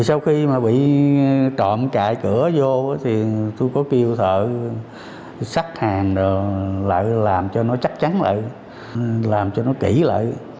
sau khi bị trộm cạy cửa vô tôi có kêu thợ sắt hàng làm cho nó chắc chắn lại làm cho nó kỹ lại